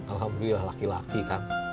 alhamdulillah laki laki kang